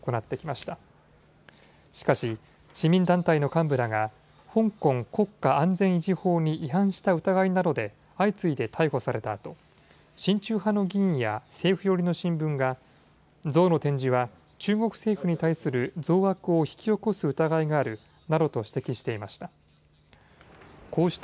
しかし市民団体の幹部らが香港国家安全維持法に違反した疑いなどで相次いで逮捕されたあと親中派の議員や政府寄りの新聞が像の展示は中国政府に対する増悪を引き起こす疑いがあるなどと指摘していました。